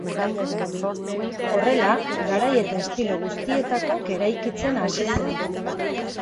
Horrela garai eta estilo guztietakoak eraikitzen hasi zen.